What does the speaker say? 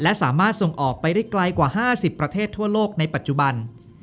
และสามารถส่งออกไปได้ไกลกว่า๕๐ประเทศทั่วโลกในปัจจุบัน